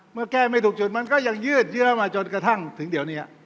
เมื่อแก้ไม่ถูกจุดมันก็ยังยืดเยอะมาจนกระทั่งถึงเดี๋ยวนี้